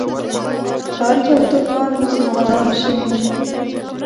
خلج او ترکان مسلمانان شوي نه دي.